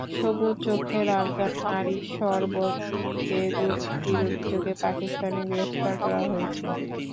সবুজ চোখের আফগান নারী শরবত বিবিকে দুর্নীতির অভিযোগে পাকিস্তানে গ্রেপ্তার করা হয়েছে।